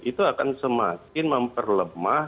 itu akan semakin memperlemah